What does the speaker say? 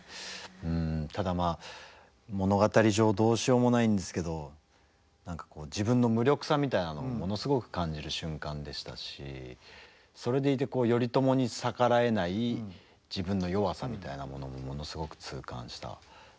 ただまあ物語上どうしようもないんですけど何かこう自分の無力さみたいなのをものすごく感じる瞬間でしたしそれでいて頼朝に逆らえない自分の弱さみたいなものもものすごく痛感したシーンで。